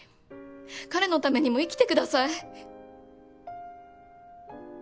彼のためにも生きてください。